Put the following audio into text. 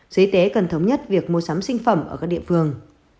sở y tế cần thống nhất việc mua sắm sinh phẩm ở các địa phương